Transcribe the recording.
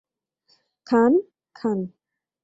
খান, খান।